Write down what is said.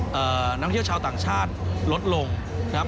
นักท่องเที่ยวชาวต่างชาติลดลงนะครับ